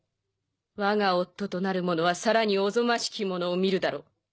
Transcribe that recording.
わが夫となる者はさらにおぞましきものを見るだろう。